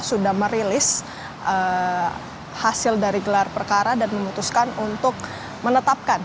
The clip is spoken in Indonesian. sudah merilis hasil dari gelar perkara dan memutuskan untuk menetapkan